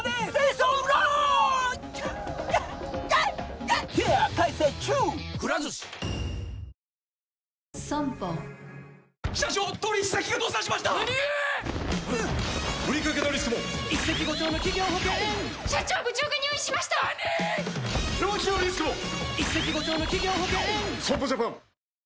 損保ジャパン